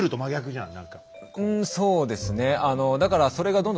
うんそうですね。